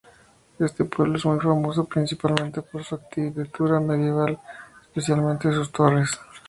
Este pueblo es muy famoso principalmente por su arquitectura medieval, especialmente sus torres.